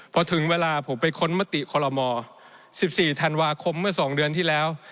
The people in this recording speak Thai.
พอถึงเวลาผมไปค้นมติคอลโลม๑๔ธันวาคมเมื่อ๒เดือนที่แล้ว